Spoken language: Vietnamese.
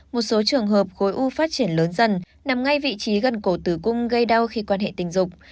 một số trường hợp khối u phát triển lớn dần nằm ngay vị trí gần cổ tử cung gây đau khi quan hệ tình dục